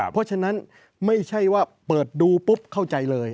เพราะฉะนั้นไม่ใช่ว่าเปิดดูปุ๊บเข้าใจเลย